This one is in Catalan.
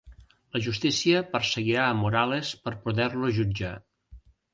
La justícia perseguirà a Morales per poder-lo jutjar